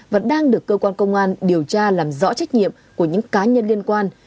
và đang được cơ quan công an điều tra làm rõ trách nhiệm của những cá nhân liên quan